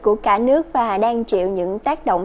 của cả nước và đang chịu những tác động